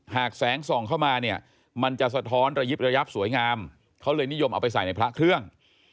หากแสงส่องเข้ามาเนี่ยมันจะสะท้อนระยิบระยับสวยงามเขาเลยนิยมเอาไปใส่ในพระเครื่อง